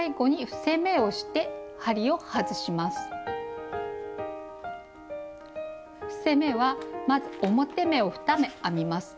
伏せ目はまず表目を２目編みます。